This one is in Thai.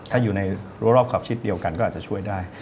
ถ้าอยู่ในรัวรอบขอบชิดเดียวกันก็อาจจะช่วยได้